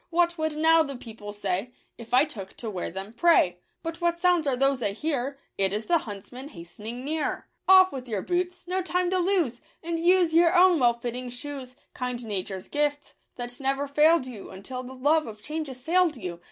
What would now the people say, If I took to wear them, pray ?— But what sounds are those I hear ? It is the huntsman hastening near !" Digitized by Google Off with your boots! — no time to lose— And use your own well fitting shoes, — Kind nature's gift, that never fail'd you Until the love of change assail'd you.